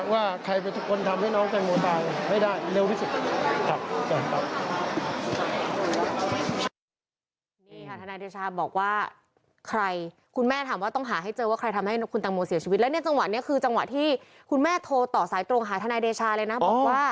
ว่าใครเป็นทุกคนทำให้น้องต่างโมต่างเห็นแบบนี่ครับ